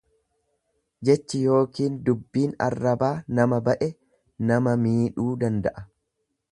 Jechi ykn dubbiin arrabaa nama ba'e nama miidhuu danda'a.